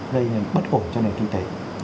đây là bất ổn cho chúng ta